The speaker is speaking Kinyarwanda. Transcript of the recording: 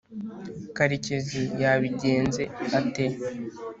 karekezi yabigenze ate